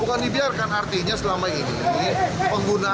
bukan dibiarkan artinya selama ini pengguna